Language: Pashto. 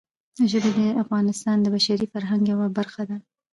ژبې د افغانستان د بشري فرهنګ یوه برخه ده.